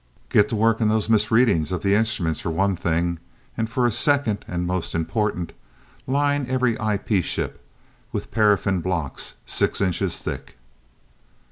"Get to work on those 'misreadings' of the instruments for one thing, and for a second, and more important, line every IP ship with paraffin blocks six inches thick."